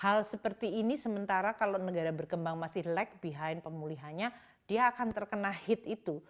karena negara negara berkembang masih lag behind pemulihannya dia akan terkena hit itu